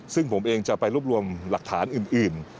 ซึ่งผมเองจะไปรวบรวมหลักฐานอื่น